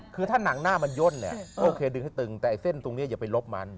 คือถ้าหนังหน้ามันย่นเนี่ยโอเคดึงให้ตึงแต่ไอ้เส้นตรงนี้อย่าไปลบมัน